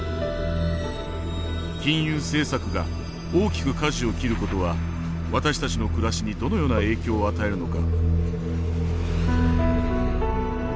金融政策が大きく舵を切ることは私たちの暮らしにどのような影響を与えるのか。